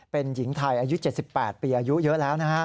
เป็นหญิงไทยอายุ๗๘ปีอายุเยอะแล้วนะฮะ